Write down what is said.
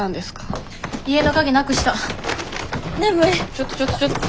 ちょっとちょっとちょっと。